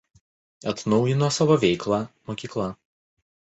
Atnaujino savo veiklą mokykla.